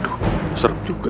aduh serem juga